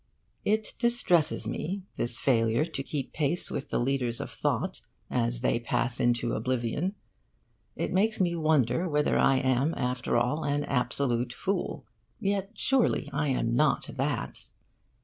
It distresses me, this failure to keep pace with the leaders of thought as they pass into oblivion. It makes me wonder whether I am, after all, an absolute fool. Yet surely I am not that.